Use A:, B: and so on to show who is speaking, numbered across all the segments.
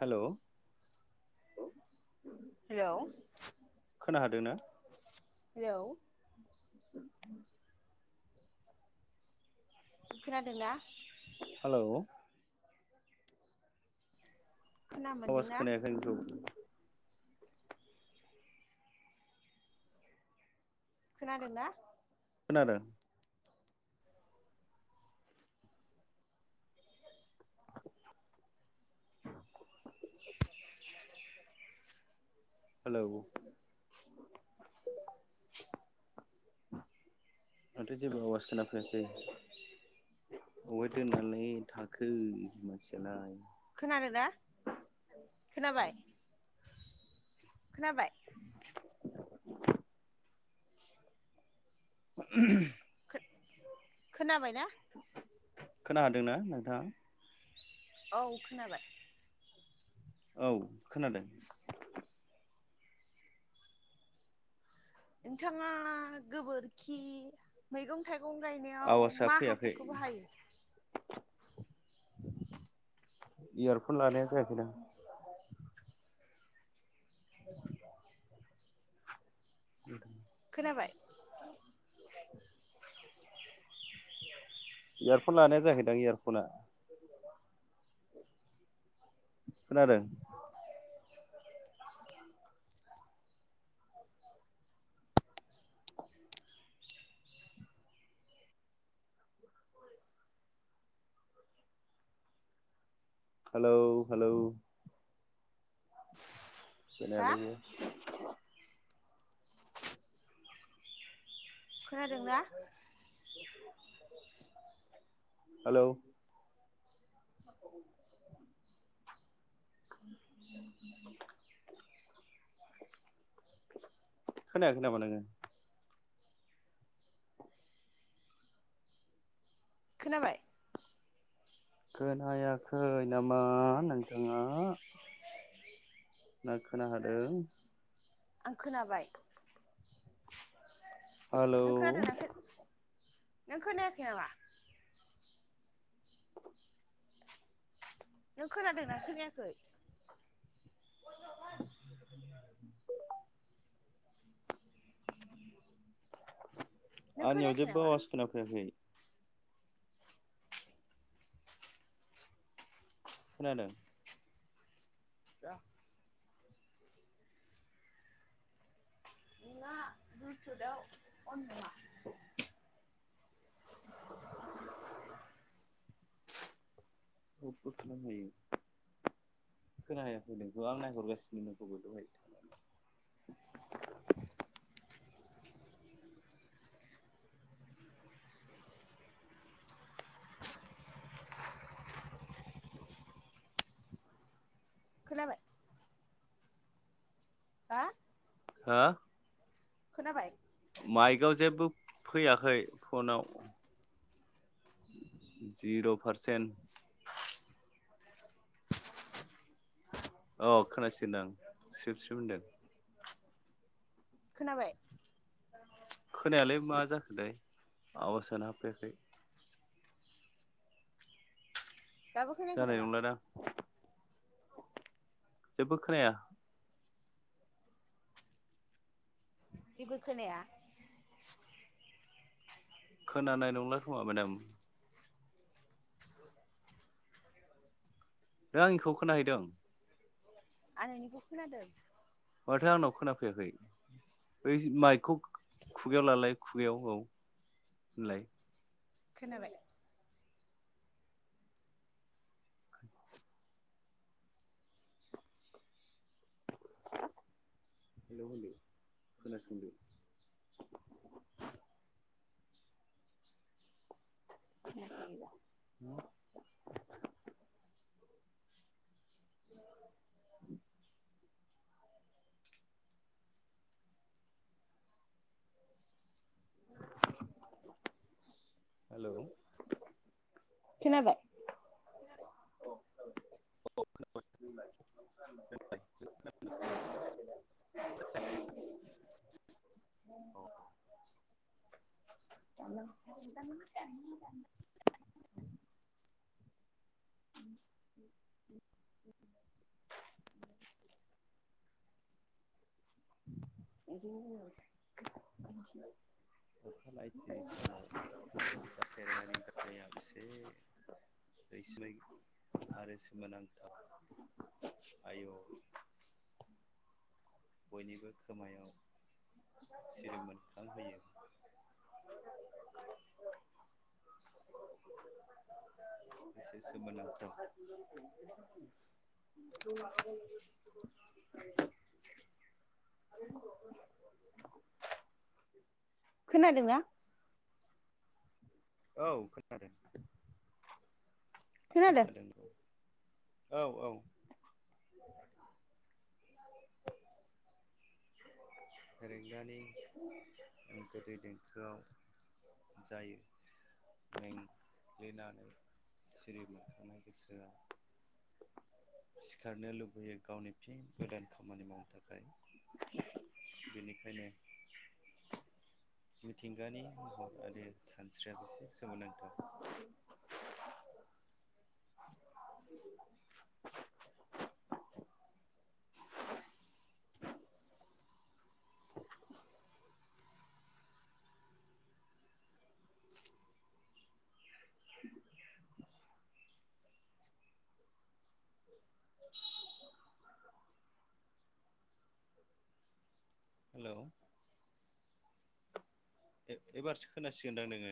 A: हेल'।
B: Hello
A: खोना हादोंना
B: hello. खोनादोंना?
A: हेलौ।
B: खोना
A: आवास
B: मोनदोंना
A: खोनायाखै नोंखौ।
B: खोनादोंना।
A: खोनादों।
B: [inaudible]
A: हेलौ। आंथ जेबो आवास खोनाफैयासै। अबेहाय दोननानै थाखो मानसियालाय।
B: खोनादों ना खोनाबाय खोनाबाय।
A: उम
B: खोनाबाय ना?
A: खोनादोंना नोंथाङा?
B: औ खोनाबाय।
A: औ खोनादों।
B: नोंथाङा खोबोरखि मैगं थाइगं गायनायाव
A: आवाजआ
B: मा
A: फैयाखै
B: हासारखौबो हायो?
A: इयारफन लानाया जायाखैदां उ
B: खोनाबाय?
A: इयारफन लानाया जायाखैदां इयारफ'ना। खोनादों? हेलौ हेलौ
B: हा
A: खोनायालै बेयो
B: खोनादोंना?
A: हेलौ खोनायाखै नामा नोङो?
B: खोनाबाय?
A: खोनायाखै नामा नोंथाङा? ना खोनाहादों?
B: आं खोनाबाय।
A: हेलौ
B: नों खोनादोंना खो नों खोनायाखै नामा? नों खोनादोंना खोनायाखै? नों
A: आंनियाव
B: खोनायाखै
A: जेबो
B: नामा
A: आवाज खोनाफैयाखै। खोनादों?
B: [unintelligible] ना ब्लुथुत आव अन खोमा?
A: [unintelligible] खोनाहैयाखै नोंखौ आं नायहरगासिनो नोंखौबो दहाय।
B: खोनाबाय? हा
A: हो?
B: खोनाबाय?
A: माइकआव जेबो फैयाखै फनाव। जिर' पारसेन्ट‌ अ खोनसिगोनदां सिब सिब होनदों।
B: खोनाबाय?
A: खोनायालै मा जाखो थाय आवाजानो हाबफैयाखै‌
B: दाबो खोनायाखै
A: जानाय
B: नामा?
A: नंलादां जेबो खोनाया।
B: जेबो खोनाया?
A: खोनानाय नंला खोमा मेडाम नों आंनिखौ खोनाहैदों?
B: आं नोंनिखौ खोनादों।
A: माथो आंनाव खोनाफैयाखै। बै माइकखौ खुगायाव लालाय खुगायाव औ होनलाय।
B: खोनाबाय?
A: हेलौ होनदो खोनासंदो। खोनायाखैबा?
B: [unintelligible] हेल'
A: खोनाबाय?
B: औ खोनाबाय नोंलाय? अ'
A: जालां दाबो खोनाया? [inaudible] [unintelligible]
B: अखा नायसि समाव जाफेरनायनि खोथाया बोसो रैसुमै आरो सोमोनांथाव आय' बयनिबो खोमायाव सिरि मोनखांहोयो। बेसे सोमोनांथाव
A: [unintelligible]
B: [inaudible]
A: खोनादोंना?
B: औ खोनादों। आं
A: खोनादों
B: खोनादोंथ' औ औ।
A: [unintelligible]
B: रेंगानि गोदै देंखोआव जायो। मेंग्लिनानै सिरि मोनखांनाय गोसोआ सिखारनो लुबैयो गावनि फिन गोदान खामानि मावनो थाखाय। बिनिखायनो मिथिंगानि महर आरो सानस्रिया बेसे सोमोनांथाव। [inaudible] [inaudible] [inaudible]
A: [inaudible]
B: हेलौ ए-एबारसो खोनासिगोनदां नोङो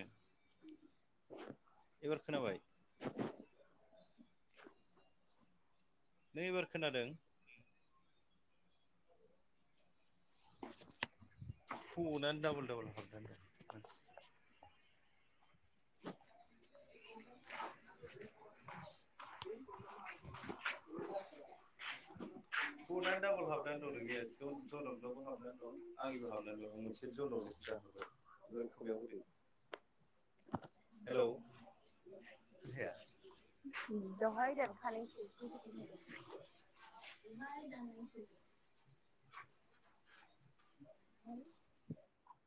B: एबार खोनाबाय? नै एबार खोनादों? फनानो डाबल डाबल हाबनानै दं मानसि [unintelligible]
A: फनानो दाबल हाबनानै दं नोंनिया जों जनकनावबो हाबनानै दं आंनिबो हाबनानै दं मोनसे दोनहरनोसै आं। बेयाव थुनायाव होदो।
B: [inaudible]
A: हेलौ [unintelligible] उम दहाय दान खानाय [unintelligible]
B: दहाय दाननायसो
A: [unintelligible]